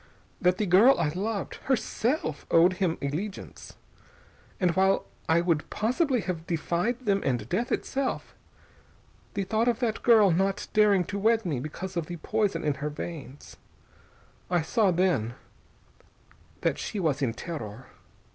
That the girl I loved, herself, owed him allegiance. And while I would possibly have defied them and death itself, the thought of that girl not daring to wed me because of the poison in her veins.... I saw, then, that she was in terror.